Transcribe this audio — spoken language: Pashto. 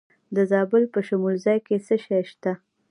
د زابل په شمولزای کې څه شی شته؟